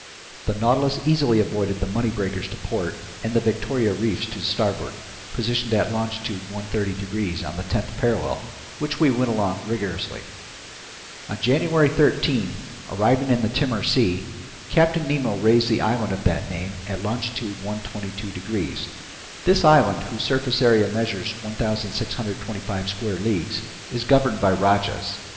The Nautilus easily avoided the Money breakers to port and the Victoria reefs to starboard, positioned at longitude 130 degrees on the tenth parallel, which we went along rigorously. On January 13, arriving in the Timor Sea, Captain Nemo raised the island of that name at longitude 122 degrees. This island, whose surface area measures 1,625 square leagues, is governed by rajahs.